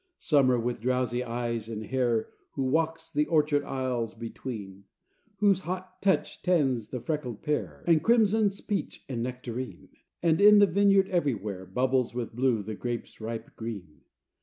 Summer, with drowsy eyes and hair, Who walks the orchard aisles between; Whose hot touch tans the freckled pear, And crimsons peach and nectarine; And, in the vineyard everywhere, Bubbles with blue the grape's ripe green.